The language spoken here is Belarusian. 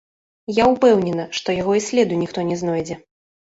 Я ўпэўнена, што яго і следу ніхто не знойдзе.